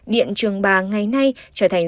điện trường ba ngày nay trở thành